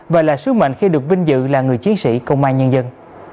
và là sứ mệnh khi được vinh dự là người chiến sĩ công an nhân dân